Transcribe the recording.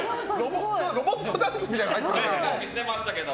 ロボットダンスみたいなの入ってたけど。